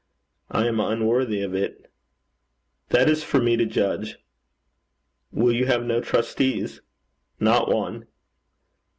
'I am unworthy of it.' 'That is for me to judge.' 'Will you have no trustees?' 'Not one.'